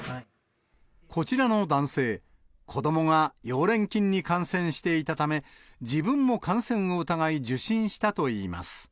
こちらの男性、子どもが溶連菌に感染していたため、自分も感染を疑い受診したといいます。